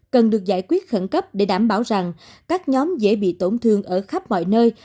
cần được giải quyết khẩn cấp để đảm bảo rằng các nhóm dễ bị tổn thương ở khắp mọi nơi